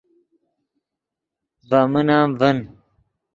ڤے من ام ڤین